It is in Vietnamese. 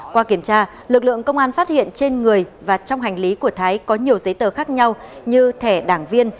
qua kiểm tra lực lượng công an phát hiện trên người và trong hành lý của thái có nhiều giấy tờ khác nhau như thẻ đảng viên